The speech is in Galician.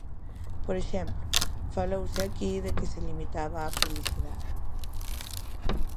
Por exemplo, falouse aquí de que se limitaba a publicidade.